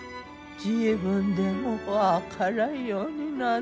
自分でも分からんようになっとるんだわ。